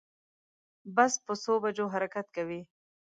بس په څو بجو حرکت کوی